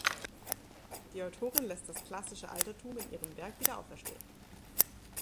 Die Autorin lässt das klassische Altertum in ihrem Werk wieder auferstehen.